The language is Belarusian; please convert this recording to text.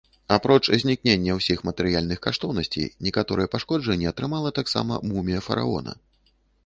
Апроч знікнення ўсіх матэрыяльных каштоўнасцей, некаторыя пашкоджанні атрымала таксама мумія фараона.